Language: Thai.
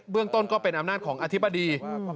เรื่องต้นก็เป็นอำนาจของอธิบดี